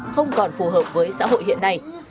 không còn phù hợp với xã hội hiện nay